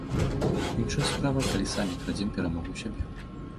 Іншая справа, калі самі крадзем перамогу ў сябе.